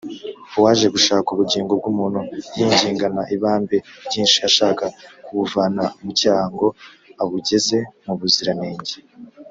Uwaje gushaka ubugingo bw’umuntu yingingana ibambe ryinshi ashaka kubuvana mu cyaha ngo abugeze mu buziranenge